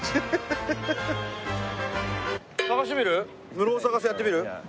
ムロを探せやってみる？